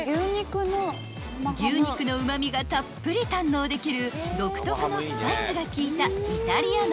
［牛肉のうま味がたっぷり堪能できる独特のスパイスが効いたイタリアの生ハム］